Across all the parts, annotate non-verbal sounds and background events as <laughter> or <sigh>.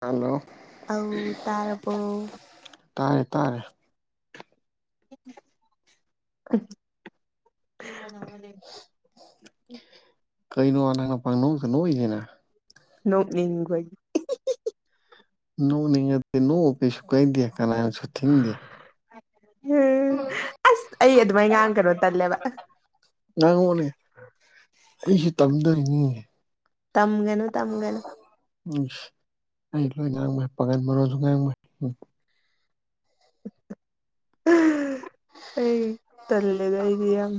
hello ꯑꯧ ꯇꯔꯄ ꯇꯥꯔꯦ ꯇꯥꯔꯦ <unintelligible> ꯎ ꯎ ꯀꯩꯅꯣ ꯑꯅꯥꯅ ꯄꯥꯡ ꯅꯅꯣꯏꯁꯤꯅ ꯅꯅꯤꯈꯣꯏ ꯅ ꯅ ꯅ ꯄꯩꯁꯨ ꯀꯥꯏꯗ ꯀꯅꯥꯁꯨ ꯊꯦꯡꯗ ꯎꯝ ꯑꯁ ꯑꯩ ꯑꯗꯨꯃꯥꯏ ꯉꯥꯡ ꯀꯩꯅꯣ ꯇꯜꯂꯦꯕ ꯅꯦ ꯑꯩꯁꯨ ꯇꯝꯗꯣꯏꯅꯤ ꯇꯝꯒꯅ ꯇꯝꯒꯅ ꯎꯝ ꯑꯩ ꯂꯣꯏ ꯉꯥꯡꯕ ꯄꯥꯒꯜ ꯃꯔꯣꯁꯨ ꯉꯥꯡꯕ ꯎꯝ ꯑꯩ ꯇꯂꯦꯗꯏꯕꯤ ꯌꯥꯝ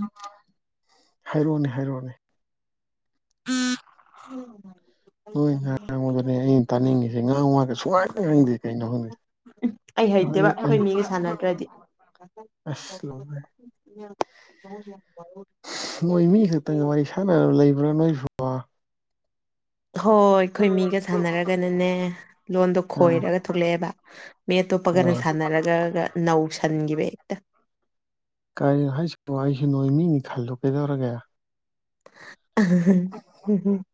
ꯍꯥꯏꯔꯛꯅꯦ ꯍꯥꯏꯔꯛꯑꯣꯅꯦ ꯎꯝ ꯍꯣꯏ ꯉ ꯉꯥꯡꯉꯗꯅꯦ ꯑꯩꯅ ꯇꯥꯅꯤꯡꯉꯤꯁꯦ ꯉꯍ ꯉꯥꯛꯒ ꯁꯨꯃꯥꯏ ꯈꯪꯗꯦ ꯀꯩꯅꯣ ꯍꯪꯗꯦ ꯑꯩ ꯍꯩꯇꯦꯕ ꯑꯩꯈꯣꯏ ꯃꯤꯒ ꯁꯥꯟꯅꯗ꯭ꯔꯗꯤ ꯃꯣꯏ ꯃꯤ ꯈꯛꯇꯪꯒ ꯋꯥꯔꯤ ꯁꯥꯟꯅꯅꯕ ꯂꯩꯕ꯭ꯔꯥ ꯅꯣꯏꯁꯨ ꯍꯣꯏ ꯑꯩꯈꯣꯏ ꯃꯤꯒ ꯁꯥꯟꯅꯔꯒꯅꯅꯦ ꯂꯣꯟꯗꯣ ꯑ ꯈꯣꯏꯔꯒ ꯊꯣꯛꯂꯛꯑꯦꯕ ꯃꯤ ꯑꯇꯣꯞꯄꯒꯅ ꯁꯥꯟꯅꯔꯒꯒ ꯅꯧꯁꯟꯈꯤꯕ ꯍꯦꯛꯇ <unintelligible> ꯀꯔꯤꯅꯣ ꯍꯥꯏꯁꯤꯕ ꯑꯩꯁꯤ ꯅꯣꯏ ꯃꯤꯅꯤ ꯈꯜꯂꯣ ꯀꯩꯗꯧꯔꯒꯦ <unintelligible>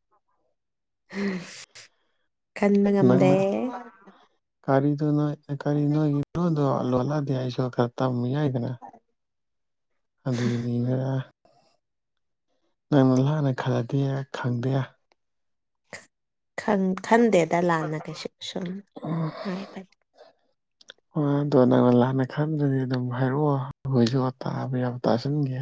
ꯈꯟꯕ ꯉꯝꯗꯦ ꯅꯪꯅ ꯀꯔꯤꯗꯣ ꯅꯣꯏ ꯀꯔꯤ ꯅꯣꯏꯒꯤꯅꯣꯗꯣꯂꯣꯜꯂꯑꯗꯤ ꯑꯩꯁꯨ ꯈꯔ ꯇꯝꯃꯨ ꯌꯥꯏꯗꯅ ꯑꯗꯨꯒꯤꯅꯤ ꯈꯔ ꯅꯪꯅ ꯂꯥꯟꯅ ꯈꯜꯂꯗ ꯈꯪꯗꯦ ꯈꯟꯗꯦꯗ ꯂꯥꯟꯅꯒꯩ ꯁꯨꯝ ꯍꯥꯏꯕꯅꯤ ꯍꯣꯏ ꯑꯗꯣ ꯅꯪꯅ ꯂꯥꯟꯅ ꯈꯟꯗꯗꯤ ꯑꯗꯨꯝ ꯍꯥꯏꯔꯛꯑꯣ ꯑꯩꯈꯣꯏꯁꯨ ꯇꯥꯕ ꯌꯥ ꯇꯥꯁꯤꯟꯒꯦ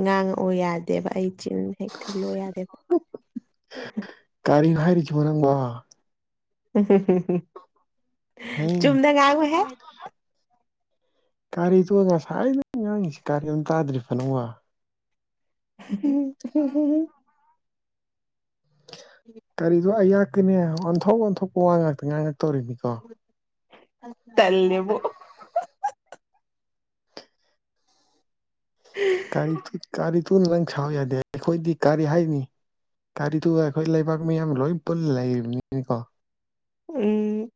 ꯉꯥꯡꯉꯛꯑꯣ ꯌꯥꯗꯦꯕ ꯑꯩ ꯆ ꯍ ꯊ ꯂ ꯌꯥꯗꯦꯕ ꯀꯥꯏꯔꯤ ꯃꯅ ꯋꯥ ꯆꯗ ꯍꯩ ꯉꯥꯒ ꯍ ꯀꯥꯔꯤꯗꯨꯣ ꯉꯁꯥꯏꯔꯤꯗ ꯉꯥꯡꯉꯁꯤ ꯀꯥꯔꯤ ꯑꯗꯨꯝ ꯇꯥꯗ꯭ꯔꯤ ꯐꯅꯨ ꯋꯥ <unintelligible> ꯀꯔꯤꯁꯨ ꯑꯌꯥꯛꯀꯅꯦ ꯑꯣꯟꯊꯣꯛ ꯑꯣꯟꯊꯣꯛꯄ ꯋꯥ ꯉꯥꯛꯇ ꯉꯥꯡꯉꯛꯇꯧꯔꯤꯕꯅꯤꯀꯣ ꯇꯜꯦꯕꯣ ꯀꯔꯤ ꯀꯥꯔꯤ ꯊꯨꯅ ꯅꯪ ꯁꯥꯎ ꯌꯥꯗꯦ ꯑꯩꯈꯣꯏꯗꯤ ꯀꯥꯔꯤ ꯍꯥꯏꯅꯤ ꯒꯥꯔꯤꯗꯨ ꯑꯩꯈꯣꯏ ꯂꯩꯕꯥꯛ ꯃꯤꯌꯥꯝ ꯂꯣꯏ ꯄꯨꯜꯂ ꯂꯩꯔꯤꯕꯅꯤꯅꯤꯀꯣ ꯎꯝ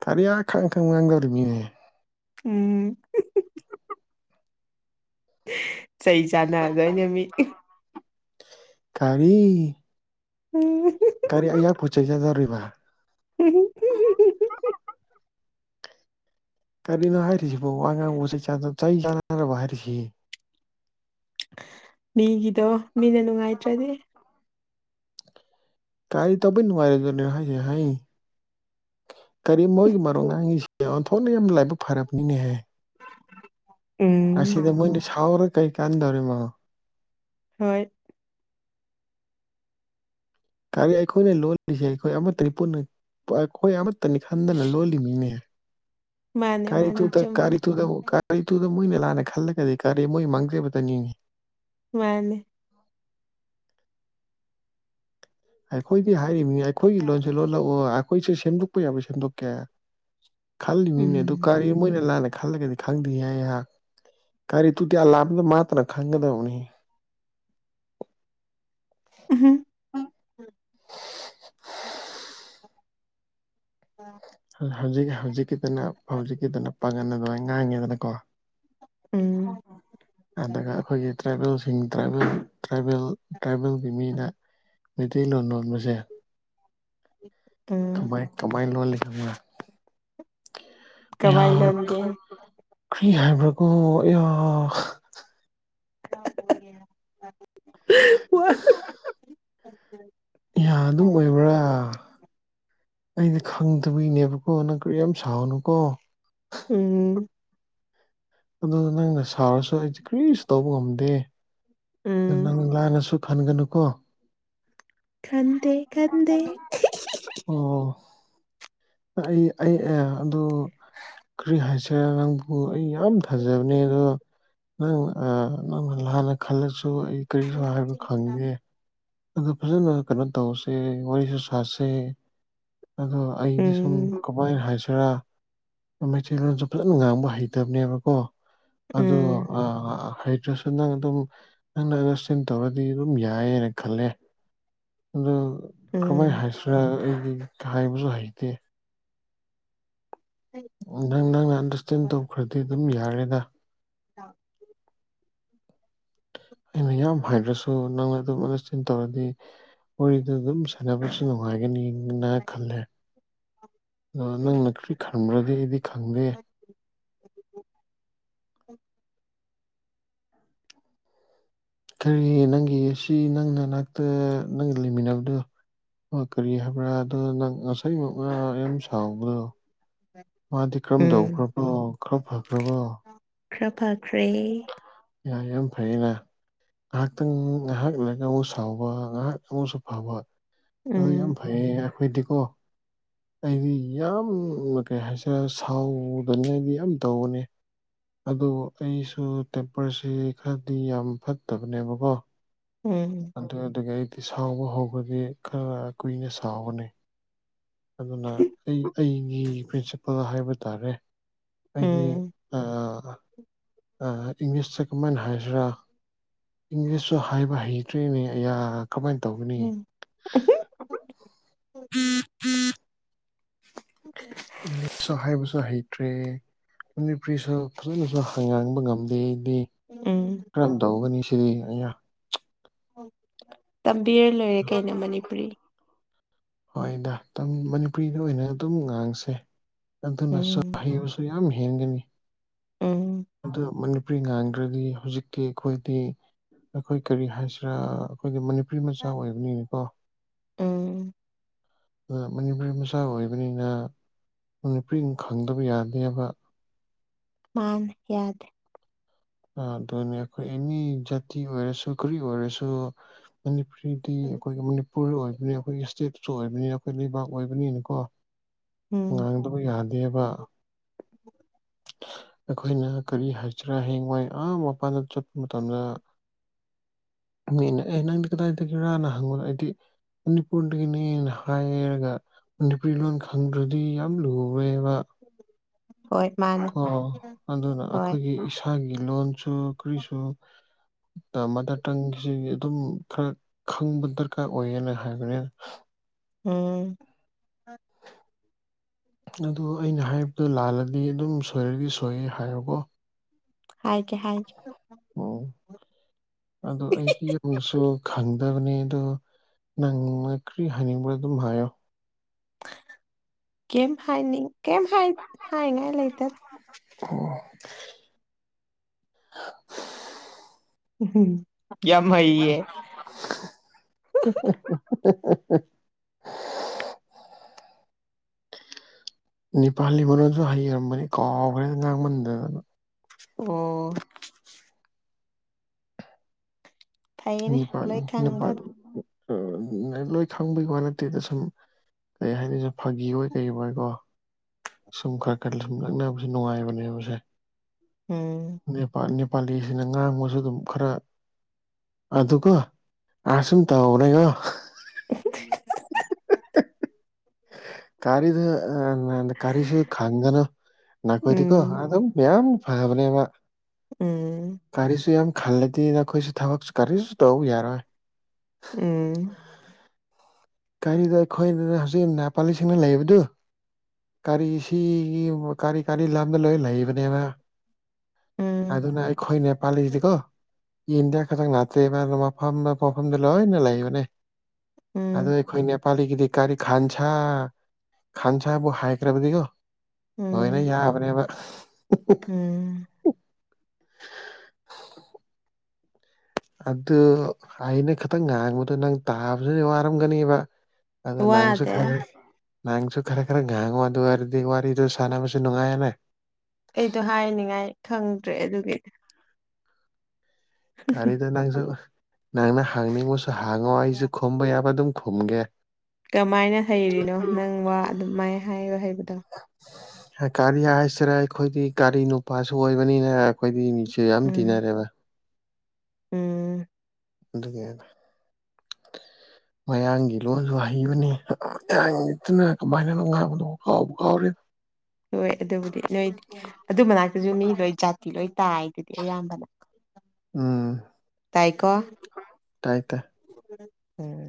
ꯇꯔꯤ ꯈꯪ ꯈꯪ ꯉꯒ ꯑꯣꯏꯔꯃꯤꯅꯦ ꯎꯝ ꯆꯩ ꯆꯥꯟꯅꯗꯣꯏꯅ ꯃꯤ ꯀꯔꯤ ꯎꯝ ꯀꯔꯤ ꯑ ꯄ ꯆꯩꯦ ꯔꯔꯤ ꯃꯥ <unintelligible> ꯀꯔꯤꯅꯣ ꯍꯥꯏꯔꯤꯁꯤꯕꯣ ꯋꯥꯉꯥꯡꯅꯔꯕ ꯍꯥꯏꯔꯤꯁꯤ ꯃꯤꯒꯤꯗꯣ ꯃꯤꯅ ꯅꯨꯡꯉꯥꯏꯇ꯭ꯔꯗꯤ ꯀꯥꯔꯤ ꯇꯕꯨ ꯅꯅꯨꯡꯉꯥꯏꯔꯦꯗ ꯍꯥꯏꯁꯦ ꯍꯥꯏꯩ ꯀꯔꯤ ꯃꯣꯏꯒꯤ ꯃꯔꯣꯟ ꯉꯥꯡꯉꯤꯁꯤꯦ ꯑꯣꯟꯊꯣꯛꯅ ꯌꯥꯝꯅ ꯂꯥꯏꯕꯛ ꯐꯔꯕꯅꯤꯅꯦꯍ ꯎꯝ ꯑꯁꯤꯗ ꯃꯣꯏꯅ ꯁꯥꯎꯔ ꯀꯩ ꯀꯥꯟꯗꯔꯦꯃ ꯍꯣꯏ ꯀꯔꯤ ꯑꯩꯈꯣꯏ ꯂꯣꯟ ꯂꯦ ꯑꯩꯈꯣꯏ ꯑꯃ ꯇ꯭ꯔꯤꯄꯨꯔ ꯅ ꯈꯣꯏ ꯑꯃꯗꯇꯅꯤ ꯈꯥꯟꯗꯅ ꯂꯣꯂꯤꯃꯤꯅꯦꯦ ꯃꯥꯅꯦ ꯀꯥꯏꯔꯤ ꯃꯥꯅꯦ ꯊꯨ ꯊ ꯀꯥꯔꯤ ꯆꯨꯝꯃꯦ ꯊ ꯊ ꯀ ꯀꯔꯤ ꯇꯨꯗ ꯃꯣꯏꯅ ꯂꯥꯟꯅ ꯈꯜꯂꯒꯗꯤ ꯀꯔꯤ ꯃꯣꯏ ꯃꯥꯡꯖꯕꯇꯅꯤꯡꯉꯤ ꯋꯥꯅꯦ ꯑꯩꯈꯣꯏꯗꯤ ꯍꯥꯏꯔꯤꯕꯅꯤ ꯑꯩꯈꯣꯏꯒꯤ ꯂꯣꯟꯁꯦ ꯂꯣꯜꯂꯛꯑꯣ ꯑꯩꯈꯣꯏꯁꯨ ꯁꯦꯝꯗꯣꯛꯄ ꯌꯥꯕ ꯁꯦꯝꯗꯣꯛꯀꯦ ꯈꯜꯂꯤ ꯃꯤꯅꯦ ꯎꯝ ꯑꯗꯨ ꯀꯥꯔꯤ ꯃꯣꯏꯅ ꯂꯥꯟꯅꯦ ꯈꯜꯂꯒꯗꯤ ꯈꯪꯗꯦ ꯍꯥꯏ ꯑꯩꯍꯥꯛ ꯀꯔꯤ ꯇꯨꯇꯤꯌꯥ ꯂꯥꯝꯕꯗ ꯃꯥꯇꯅ ꯈꯪꯒꯗꯕꯅꯤ ꯎꯝ ꯑ ꯍꯧꯖꯤꯛ ꯍꯧꯖꯤꯛꯀꯤꯗꯅ ꯍꯧꯖꯤꯛꯀꯤꯗꯅ ꯄꯥꯒꯟ ꯑꯗꯨꯥꯏ ꯉꯥꯡꯉꯦꯗꯅꯀꯣ ꯎꯝ ꯑꯗꯨꯒ ꯑꯩꯈꯣꯏꯒꯤ ꯇ꯭ꯔꯥꯏꯕꯦꯜꯁꯤꯡ ꯇ꯭ꯔꯥꯏꯕꯦꯜ ꯇ꯭ꯔꯥꯏꯕꯦꯜ ꯇ꯭ꯔꯥꯏꯕꯦꯜꯒꯤ ꯃꯤꯅ ꯃꯩꯇꯩꯂꯣꯟ ꯂꯣꯟꯕꯁꯦ ꯎꯝ ꯀꯃꯥꯏ ꯀꯃꯥꯏ ꯂꯣꯟ ꯂꯤꯇꯦ ꯀꯃꯥꯏ ꯂꯣꯟꯦ ꯀꯔꯤ ꯍꯥꯣ ꯀ ꯋꯥ ꯌꯥ ꯑꯗꯨꯝ ꯑꯣꯏꯕ꯭ꯔꯥ ꯑꯩꯗꯤ ꯈꯪꯗꯕꯒꯤꯅꯦꯕꯀꯣ ꯅꯪ ꯀ ꯌꯥꯝ ꯁꯥꯎꯅꯨꯀꯣ ꯎꯝ ꯑꯗꯨ ꯅꯪꯅ ꯁꯥꯔꯁꯨ ꯑꯩꯗꯤ ꯀ꯭ꯔꯤꯁꯨ ꯇꯧꯕ ꯉꯝꯗꯦ ꯑꯗꯨ ꯎꯝ ꯅꯪ ꯂꯥꯏꯅꯁꯨ ꯐꯟꯒꯅꯨꯀꯣ ꯈꯗꯦ ꯈꯗꯦ ꯑꯣ ꯑꯩ ꯑꯩ ꯑꯦ ꯑꯗꯨ ꯀꯔꯤ ꯍꯥꯏꯁꯦ ꯅꯪꯕꯨ ꯑꯩ ꯌꯥꯝ ꯐꯖꯕꯅꯦ ꯑꯗꯣ ꯅꯪ ꯅꯪ ꯍꯥꯟꯅ ꯈꯜꯂꯁꯤ ꯁꯨ ꯑꯩ ꯀꯔꯤꯁꯨ ꯍꯥꯏꯕ ꯈꯪꯗꯦ ꯑꯣ ꯐꯖꯅ ꯀꯩꯅꯣ ꯇꯧꯁꯦ ꯋꯥꯔꯤꯁꯨ ꯁꯥꯁꯦ ꯑꯗꯣ ꯑꯩꯗꯤ ꯁꯨꯝ ꯎꯝ ꯀꯃꯥꯏꯅ ꯍꯥꯏꯁ ꯈꯔ ꯃꯩꯇꯩꯂꯣꯟꯁꯨ ꯐꯖꯅ ꯉꯥꯡꯕ ꯍꯩꯇꯕꯅꯦꯕꯀꯣ ꯑ ꯎꯝ ꯑ ꯅꯪ ꯑꯗꯨꯝ ꯅꯪꯅ ꯑꯁ ꯇꯧꯔꯗꯤ ꯑꯗꯨꯝ ꯌꯥꯏꯌꯦꯅ ꯈꯜꯂꯦ ꯑꯗꯨ ꯀꯔꯝꯍꯥꯏꯅ ꯎꯝ ꯍꯥꯏꯁꯤꯅ ꯑꯩ ꯀꯥꯏꯕꯁꯨ ꯍꯩꯇꯦ ꯅꯪ ꯅꯪꯅ ꯑꯟꯗꯔꯁꯇꯦꯟ ꯇꯧꯈ꯭ꯔꯗꯤ ꯑꯗꯨꯝ ꯌꯥꯔꯦꯗ ꯑ ꯑꯩꯅ ꯌꯥꯝ ꯍꯥꯏꯗ꯭ꯔꯁꯨ ꯅꯪꯅ ꯑꯗꯨꯝ ꯑꯗꯁꯇꯦꯟ ꯇꯧꯔꯗꯤ ꯃꯗ ꯑꯗꯨꯝ ꯁꯥꯟꯅꯕꯁꯨ ꯅꯨꯡꯉꯥꯏꯒꯅꯤꯅ ꯈꯜꯂꯦ <inaudible> ꯅꯪꯅ ꯈ꯭ꯔꯤ ꯈꯟꯕ꯭ꯔꯗꯤ ꯑꯩꯗꯤ ꯈꯪꯗꯦ ꯀꯔꯤ ꯅꯪꯒꯤ ꯁꯤ ꯅꯪꯅ ꯅꯅꯥꯛꯇ ꯅꯪꯒ ꯂꯩꯃꯤꯟꯅꯕꯗꯣ ꯀꯔꯤ ꯍꯥꯏꯕ꯭ꯔꯥ ꯑꯗꯣ ꯅꯪ ꯉꯁꯥꯏꯃꯛꯅ ꯌꯥꯝ ꯁꯥꯎꯕꯅꯣ ꯃꯥꯗꯤ ꯀꯔꯝ ꯎꯝ ꯇꯧꯈ꯭ꯔꯕꯣ ꯈꯔ ꯐꯈ꯭ꯔꯕꯣ ꯀ꯭ꯄꯈ꯭ꯔꯦ ꯌꯥ ꯌꯥꯝ ꯐꯩꯌꯦꯅ ꯉꯥꯏꯍꯥꯛꯇꯪ ꯉꯥꯏꯍꯥꯛ ꯂꯩꯒ ꯑꯃꯨꯛ ꯁꯥꯎꯕ ꯉꯥꯏꯍꯥꯛ ꯑꯃꯁꯨꯛꯁꯨ ꯐꯕ ꯑ ꯌꯥꯝ ꯎꯝ ꯐꯩꯌꯦ ꯑꯩꯈꯣꯏꯗꯤꯀꯣ ꯑꯩꯗꯤ ꯌꯥꯝ ꯀꯩ ꯍꯥꯏꯁꯔꯦ ꯁꯥꯎꯗꯅꯤ ꯑꯩꯗꯤ ꯌꯥꯝ ꯇꯧꯕꯅꯤ ꯑꯗꯨ ꯑꯩꯁꯨ ꯇꯦꯝꯄꯔꯁꯤ ꯈꯔꯗꯤ ꯌꯥꯝ ꯐꯠꯇꯕꯅꯦꯕꯀꯣ ꯎꯝ ꯑꯗꯨꯗꯒꯤ ꯑꯩꯗꯤ ꯁꯥꯎꯕ ꯍꯧꯕꯗꯤ ꯈꯔ ꯀꯨꯏꯅ ꯁꯥꯎꯒꯅꯤ ꯑꯗꯨꯅ ꯑꯩ ꯑꯩꯒꯤ ꯄ꯭ꯔꯤꯟꯁꯤꯄꯜ ꯍꯥꯏꯕ ꯇꯥꯔꯦ ꯍꯥꯏꯗꯤ ꯎꯝ ꯑ ꯑ ꯏꯪꯂꯤꯁ ꯆꯀꯃꯦꯟ ꯍꯥꯏꯖꯔꯥ ꯏꯪꯂꯤꯁꯁꯨ ꯍꯥꯏꯕ ꯍꯩꯇ꯭ꯔꯤꯅꯦ ꯑ ꯀꯃꯥꯏꯅ ꯇꯧꯒꯅꯤ ꯎꯝ ꯎꯝ ꯎꯩ ꯑꯍꯥꯏ ꯁꯔ ꯍꯠ ꯇ꯭ꯔꯦ ꯃꯅꯤꯄꯨꯔꯤꯁꯨ ꯐꯖꯅꯁꯨ ꯍꯉꯥꯡꯕ ꯉꯝꯗꯦ ꯎꯝ ꯀꯔꯝ ꯇꯧꯒꯅꯤ ꯁꯤꯗꯤ ꯑꯩꯅ ꯇꯝꯕꯤꯔ ꯂꯣꯏꯔꯦ ꯀꯩꯅꯣ ꯃꯅꯤꯄꯨꯔꯤ ꯍꯣꯏꯗ ꯑꯗꯨ ꯃꯅꯤꯄꯨꯔꯤꯗ ꯑꯣꯏꯅ ꯑꯗꯨꯝ ꯉꯥꯡꯁꯦ ꯑꯗꯨꯅꯁꯨ ꯎꯝ ꯍꯩ ꯌꯥꯝ ꯍꯦꯟꯒꯅꯤ ꯎꯝ ꯑꯗꯨ ꯃꯅꯤ ꯄꯨꯄ꯭ꯔꯤ ꯉꯥꯡꯗ꯭ꯔꯗꯤ ꯍꯧꯖꯤꯛꯇꯤ ꯑꯩꯈꯣꯏꯗꯤ ꯑꯩꯈꯣꯏ ꯀꯔꯤ ꯍꯥꯏꯁꯤꯔꯥ ꯑꯩꯈꯣꯏꯒꯤ ꯅꯨꯄꯤ ꯃꯆꯥ ꯑꯣꯏꯕꯅꯤꯅꯦꯀꯣ ꯎꯝ ꯑꯗꯨ ꯃꯅꯤꯄꯨꯔꯤ ꯃꯆꯥ ꯑꯣꯏꯕꯅꯤꯅ ꯅꯨꯄꯤ ꯈꯪꯗꯕ ꯌꯥꯗꯦꯕ ꯃꯥꯥꯟ ꯌꯥꯗ ꯑꯗꯨꯅꯤ ꯑꯩꯈꯣꯏ ꯑꯦꯅꯤ ꯖꯥꯇꯤ ꯑꯣꯏꯔꯁꯨ ꯔꯤ ꯑꯣꯏꯔꯁꯨ ꯍꯧꯗꯤ ꯑꯩꯈꯣꯏꯒꯤ ꯃꯅꯤꯄꯨꯔ ꯑꯣꯏꯕꯅꯤ ꯑꯩꯈꯣꯏꯒꯤ ꯏꯁꯇꯦꯠꯁꯨ ꯑꯣꯏꯕꯅꯤ ꯑꯩꯈꯣꯏ ꯂꯩꯕꯥꯛ ꯑꯣꯏꯕꯅꯤꯅꯀꯣ ꯉꯥꯡꯗꯕꯨ ꯌꯥꯗꯦꯕ ꯎꯝ ꯑꯩꯈꯣꯏꯅ ꯀꯔꯤ ꯍꯥꯏꯁꯤꯔꯥ ꯍꯌꯦꯡꯋꯥꯏ ꯑꯥ ꯃꯄꯥꯟꯗ ꯆꯠꯄ ꯃꯇꯝꯗ ꯃꯤꯅꯦ ꯑꯩ ꯅꯪꯗꯤ ꯀꯗꯥꯏꯗꯒꯤꯔꯥꯅ ꯍꯪꯉꯣꯅ ꯑꯩꯗꯤ ꯃꯅꯤꯄꯨꯔꯗꯒꯤꯅꯦꯅ ꯍꯥꯏꯔꯒ ꯃꯅꯤꯄꯨꯔꯤ ꯂꯣꯟ ꯈꯪꯗ꯭ꯔꯗꯤ ꯌꯥꯝ ꯂꯨꯨꯔꯦꯕ ꯍꯣꯏ ꯃꯥꯅꯦ ꯀꯣ ꯑꯗꯨꯅ ꯍꯣꯏ ꯑꯩꯈꯣꯏꯒꯤ ꯏꯁꯥꯒꯤ ꯂꯣꯟꯜꯁꯨ ꯀꯔꯤꯁꯨ ꯃꯥꯗꯔ ꯇꯪꯒꯤꯁꯤ ꯑꯗꯨꯝ ꯈꯔ ꯈꯪꯕ ꯗꯔꯀꯥꯔ ꯑꯣꯏꯌꯦꯅ ꯍꯥꯏꯕꯅꯤꯅ ꯎꯝ ꯑꯗꯨ ꯑꯩꯅ ꯍꯥꯏꯕꯗꯣ ꯂꯥꯜꯂꯗꯤ ꯑꯗꯨꯝ ꯁꯣꯏꯔꯗꯤ ꯁꯣꯏꯌꯦ ꯍꯥꯏꯨꯀꯣ ꯍꯥꯏ ꯀꯦ ꯍꯥꯏꯦ ꯎꯝ ꯑꯗꯣ ꯑꯩꯒꯤ ꯌꯁꯨ ꯈꯪꯗꯕꯅꯦ ꯑ ꯑꯗꯨꯣ ꯅꯪꯅ ꯀꯔꯤ ꯍꯥꯏꯅꯤꯡꯕ꯭ꯔꯣ ꯑꯗꯨꯝ ꯍꯥꯏꯌꯣ ꯀꯩꯝ ꯍꯥꯏꯅꯤꯡ ꯀꯩ ꯊꯉꯥꯏ ꯂꯩꯇꯦꯗ ꯑꯣ ꯍꯝ <inaudible> ꯎ ꯅꯤꯄꯥꯂꯤ ꯃꯅꯨꯡꯗꯣꯟꯁꯨ ꯍꯩꯔꯝꯕꯅꯤ ꯀꯥꯎꯈ꯭ꯔꯦ ꯉꯥꯡꯃꯟꯗꯗꯅ ꯑꯣ ꯐꯩꯅꯦ ꯃꯤ ꯄꯥ ꯂꯣꯏ ꯅ ꯈꯪꯕ ꯄꯥꯏ ꯂꯣꯏ ꯈꯪꯕꯒꯤ ꯋꯥ ꯅꯠꯇꯦꯗ ꯁꯨꯝ ꯀꯩ ꯍꯥꯏꯅꯤ ꯁ ꯐꯥꯒꯤ ꯀꯩ ꯑꯣꯏ ꯑꯣꯏꯀꯣ ꯁꯨꯝ ꯈꯔ ꯈꯔ ꯁꯨꯝ ꯅꯛꯅꯕꯁꯦ ꯅꯨꯡꯉꯥꯏꯕꯅꯦꯕꯁꯦ ꯎꯝ ꯅꯦꯄꯥꯂꯤꯁꯤꯅ ꯉꯥꯡꯕꯁꯨ ꯑꯗꯨꯝ ꯈꯔ ꯑꯗꯨ ꯑꯗꯨ ꯀꯣ ꯑꯁꯨꯝ ꯇ ꯍꯅꯦꯒꯣ <unintelligible> ꯀꯔꯤꯗ ꯑ ꯀꯔꯤꯁꯨ ꯈꯪꯒꯅꯣ ꯀꯣꯏꯗꯤꯀꯣ ꯎꯝ ꯑꯗꯨꯝ ꯃꯌꯥꯝ ꯐꯕꯅꯦꯕ ꯎꯝ ꯀꯥꯔꯤꯁꯤꯁꯨ ꯌꯥꯝ ꯈꯜꯂꯦꯗꯤ ꯅꯈꯣꯏꯁꯤ ꯊꯕꯛꯁꯨ ꯀꯔꯤꯁꯨ ꯇꯧ ꯌꯥꯔꯣꯏ ꯎꯝ ꯒꯥꯔꯤꯗ ꯑꯩꯈꯣꯏꯅꯦ ꯍꯧꯖꯤꯛ ꯅꯦꯄꯥꯂꯤꯁꯤꯡꯅ ꯂꯩꯕꯗꯨ ꯀꯔꯤ ꯁꯤ ꯀꯔꯤ ꯀꯔꯤ ꯂꯝꯗ ꯂꯣꯏ ꯂꯩꯕꯅꯦꯕ ꯑ ꯎꯝ ꯑꯗꯨꯅ ꯑꯩ ꯈꯣꯏꯅꯦ ꯄꯦꯁꯤꯗꯤꯀꯣ ꯏ ꯏꯟꯗꯤꯌꯥ ꯈꯊ ꯅꯅꯥꯆꯦ ꯃꯐ ꯄꯐꯝꯗ ꯂ ꯍ ꯅ ꯂꯕꯅꯦ ꯑꯗꯣ ꯎꯝ ꯑꯩꯈꯣꯏ ꯅꯦꯄꯥꯂꯤꯒꯤꯗꯤ ꯀꯥꯔꯤ ꯈꯥꯟꯁꯥ ꯈꯥꯟꯁꯥꯕꯨ ꯍꯥꯏꯈ꯭ꯔꯕꯗꯤꯀꯣ ꯍꯣꯏꯅ ꯎꯝ ꯌꯥꯕꯅꯦꯕ ꯎꯝ ꯑꯗꯨ ꯑꯩꯅ ꯈꯤꯇꯪ ꯉꯥꯡꯕꯗꯣ ꯅꯪ ꯇꯥꯕꯗꯨꯗꯤ ꯋꯥꯔꯝꯒꯅꯦꯕ ꯑꯗ ꯅꯅꯥꯥꯡꯁꯨ ꯋꯥꯗꯦ ꯈ ꯅꯍꯪꯁꯨ ꯈꯔ ꯈꯔ ꯥꯡꯉꯨ ꯑꯗꯨ ꯑꯣꯏꯔꯗꯤ ꯋꯥꯔꯤꯗ ꯁꯥꯟꯅꯕꯁꯨ ꯅꯨꯡꯉꯥꯏꯌꯦꯅꯦ ꯑꯩꯗꯣ ꯍꯥꯏꯅꯤꯡꯉꯥꯏ ꯈꯪꯗ꯭ꯔꯦ ꯑꯗꯨꯒꯤꯗꯤ ꯀꯔꯤꯗꯣ ꯅꯪꯁꯨ ꯅꯪꯅ ꯍꯥꯡꯅꯤꯡꯕꯣꯁꯨ ꯍꯥꯡꯉꯣ ꯑꯩꯁꯨ ꯈꯝꯕꯩꯕ ꯑꯗꯨꯝ ꯈꯨꯝꯒꯦ ꯀꯃꯥꯏꯅ ꯍꯩꯔꯤꯅꯣ ꯅꯪ ꯋꯥ ꯑꯗꯨꯃꯥꯏ ꯍꯥꯏꯕ ꯍꯩ ꯒꯥꯔꯤ ꯍꯥꯏꯁꯤꯔ ꯑꯩꯈꯣꯏꯗꯤ ꯒꯥꯔꯤ ꯅꯨꯄꯥꯁꯨ ꯑꯣꯏꯕꯅꯤꯅ ꯑꯩꯈꯣꯏꯗꯤ ꯃꯤꯁꯨ ꯌꯥꯝ ꯎꯝ ꯇꯤꯟꯅꯔꯦꯕ ꯎꯝ ꯑꯗꯨꯗꯨꯀꯅ ꯃꯌꯥꯡꯒꯤ ꯂꯣꯟꯁꯨ ꯍꯩꯕꯅꯤꯠꯇꯅ ꯀꯃꯥꯏꯅꯅꯣ ꯉꯥꯡꯕꯗꯣ ꯀꯥꯎꯕ ꯀꯥꯎꯔ ꯍꯣꯏ ꯑꯗꯨꯕꯨꯗꯤ ꯅꯣꯏꯗꯤ ꯑꯗꯨ ꯃꯅꯥꯛꯇꯁꯨ ꯃꯤ ꯂꯣꯏ ꯖꯥꯇꯤ ꯂꯣꯏ ꯇꯥꯏ ꯑꯗꯨꯗꯤ ꯑꯌꯥꯝꯕꯅ ꯎꯝ ꯇꯥꯏꯀꯣ ꯇꯥꯏ ꯇꯥꯏ ꯎꯝ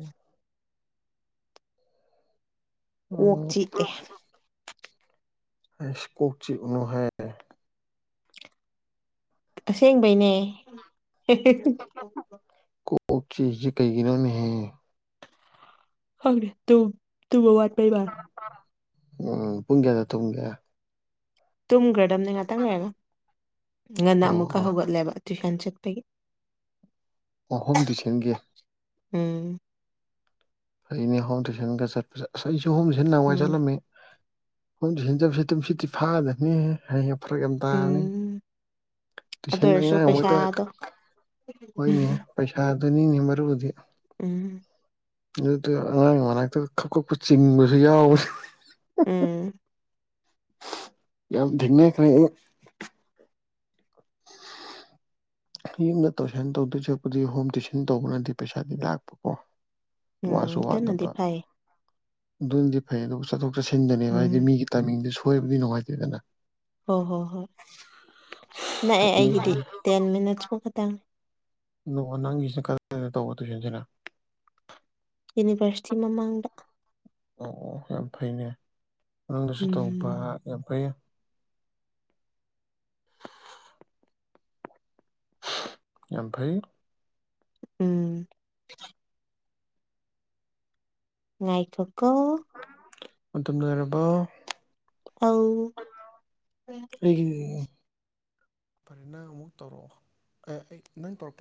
ꯀꯣꯛ ꯆꯤꯛꯑꯦ ꯑꯣꯝ ꯍꯦꯁ ꯀꯣꯛꯆꯤ ꯎꯅꯨꯍꯦ ꯑꯁꯦꯡꯕꯩꯅꯦ ꯑꯣ ꯆꯦ ꯀꯩ ꯟꯣꯅ ꯍꯥꯏ ꯍꯦ ꯇ ꯇꯨꯧ ꯋꯥꯠꯄꯩ ꯃꯥ ꯎꯝ ꯄꯨꯡ ꯀꯦꯌꯥꯗ ꯊꯨꯡꯒ ꯇꯨꯝꯈ꯭ꯔꯗꯕꯅꯦ ꯉꯥꯛꯇꯪ ꯂꯩꯔꯒ ꯉꯟꯅ ꯑꯃꯨꯛꯀ ꯑꯣ ꯍꯧꯒꯠꯂꯦꯕ ꯇꯨꯏꯁꯟ ꯇ ꯑꯣ ꯍꯣꯝ ꯇꯨꯏꯁꯟꯒꯤ ꯎꯝ ꯑꯩꯅꯦ ꯍꯣꯝ ꯇꯨꯏꯁꯟꯒ ꯆꯠꯄꯁꯦꯁ ꯑꯩꯁꯨ ꯍꯣꯝꯁꯤ ꯅꯋꯥꯏ ꯎꯝ ꯆꯠꯂꯝꯃꯤ ꯄꯨꯨꯝꯁꯤꯖꯝꯁ ꯇꯨꯝꯁꯤ ꯇꯤ ꯐꯥꯗꯅꯤ ꯍꯥꯏꯌꯦ ꯐꯔꯒ ꯇꯅꯤ ꯎꯝ ꯑꯗꯨ ꯑꯣꯏꯔꯁꯨ ꯇꯁꯦꯟꯗꯉꯥꯏ ꯃꯣꯏꯛꯇ ꯄꯩꯁꯥꯗꯣ ꯍꯣꯏꯅꯦ ꯄꯩꯁꯥ ꯑꯗꯨꯅꯤꯅꯦ ꯃꯔꯨꯗꯤ ꯎꯝ ꯑꯗꯨꯗ ꯑꯉꯥꯡ ꯃꯅꯥꯛꯇ ꯈꯞ ꯈꯞꯄ ꯆꯤꯡꯕꯁꯨ ꯌꯥꯎꯕꯅꯤ ꯎꯝ ꯌꯥꯝ ꯊꯅ ꯈ <unintelligible> ꯌꯨꯝꯗ ꯇꯧꯁꯟ ꯇꯧꯗꯣꯏ ꯆꯠꯄꯗꯤ ꯍꯣꯝ ꯇꯨꯁꯟ ꯇꯧꯕꯅꯗꯤ ꯄꯩꯁꯥꯗꯤ ꯂꯥꯛꯄꯀꯣ ꯎꯝ ꯋꯥꯁꯨ ꯀ ꯅꯗꯤ ꯋꯥꯗꯕ ꯐꯥꯏ ꯑꯗꯨꯅꯗꯤ ꯐꯩ ꯑꯗꯨꯕꯨ ꯆꯠꯊꯣꯛ ꯆꯠꯁꯤꯟꯗꯅꯦꯕ ꯍꯥꯏꯗꯤ ꯎꯝ ꯃꯤꯒꯤ ꯇꯥꯏꯃꯤꯡꯗꯤ ꯁꯣꯏꯕꯗꯤ ꯅꯨꯡꯉꯥꯏꯇꯦꯗꯅ ꯍꯣꯏ ꯍꯣꯏ ꯍꯣꯏ ꯅꯥꯛꯑꯦ ꯑꯗꯨ ꯑꯩꯒꯤꯗꯤ ꯇꯦꯟ ꯃꯤꯅꯠꯁꯀꯨꯝ ꯈꯛꯇꯪꯅꯤ ꯅ ꯅꯪꯒꯤꯁꯤꯅ ꯈꯔꯅ ꯇꯧꯕ ꯇꯨꯏꯁꯟꯁꯤꯅ ꯌꯨꯅꯤꯚꯔꯁꯤꯇꯤ ꯃꯃꯥꯡꯗ ꯑꯣ ꯑꯣ ꯌꯥꯝ ꯐꯩꯅꯦ ꯃꯅꯨꯡꯗꯁꯨ ꯇꯧꯕ ꯎꯝ ꯌꯥꯝ ꯐꯩ ꯌꯝꯐꯩ ꯎꯝ ꯉꯥꯏꯈꯣꯀꯣ ꯃꯇꯝ ꯑꯣꯏꯔꯕ ꯑ ꯑꯩꯒꯤ ꯐꯔꯦ ꯅꯪ ꯑꯃꯨꯛ ꯇꯧꯔꯛꯑꯣ ꯑꯩ ꯅꯪ ꯇꯧꯔꯛꯄ